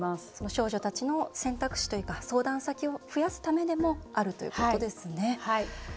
少女たちの選択肢というか相談先を増やすためでもあるということですね。